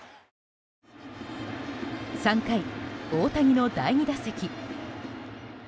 ３回、大谷の第２打席。